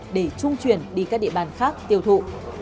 để trung chuyển đi các địa bàn khác tiêu thụ